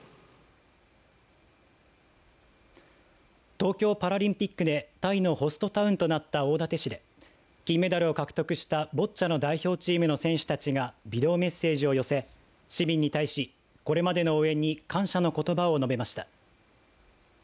東京パラリンピックでタイのホストタウンとなった大館市で金メダルを獲得したボッチャの代表チームの選手たちがビデオメッセージを寄せ市民に対しこれまでの応援に感謝のことばを述べました。